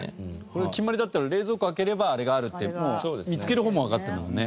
これが決まりだったら冷蔵庫開ければあれがあるってもう見つける方もわかってるもんね。